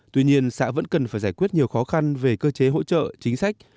tuy nhiên xã vẫn cần phải giải quyết nhiều khó khăn về cơ chế hỗ trợ chính sách